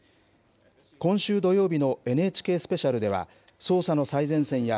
今週土曜日のＮＨＫスペシャルでは、捜査の最前線や、